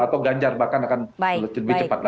atau ganjar bahkan akan lebih cepat